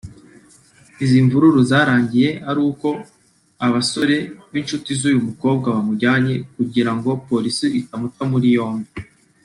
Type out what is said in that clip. Izi mvururu zarangiye ari uko abasore b’inshuti z’uyu mukobwa bamujyanye kugira ngo polisi itamuta muri yombi